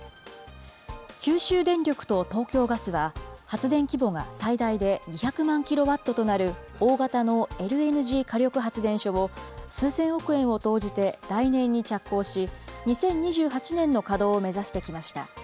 九州電力と東京ガスは、発電規模が最大で２００万キロワットとなる、大型のＬＮＧ火力発電所を、数千億円を投じて来年に着工し、２０２８年の稼働を目指してきました。